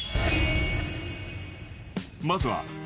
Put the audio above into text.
［まずは］